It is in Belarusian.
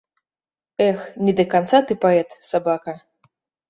Эх, не да канца ты паэт, сабака!